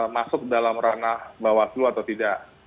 masuk dalam ranah bawaslu atau tidak